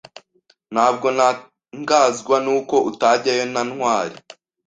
Ntabwo ntangazwa nuko utajyayo na Ntwali.